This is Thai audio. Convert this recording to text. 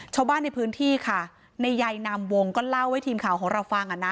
ชาวบ้านในพื้นที่ค่ะในใยนามวงก็เล่าให้ทีมข่าวของเราฟังอ่ะนะ